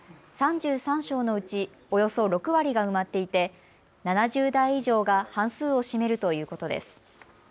３３床のうちおよそ６割が埋まっていて７０代以上が半数を占めるということです。